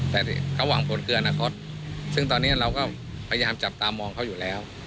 แต่เขาหวังผลเกินอนาคตซึ่งตอนนี้เราก็พยายามจับตามองเขาอยู่แล้ว